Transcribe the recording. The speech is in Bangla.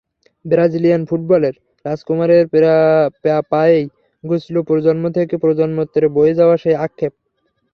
ব্রাজিলিয়ান ফুটবলের রাজকুমারের পায়েই ঘুচল প্রজন্ম থেকে প্রজন্মান্তরে বয়ে যাওয়া সেই আক্ষেপ।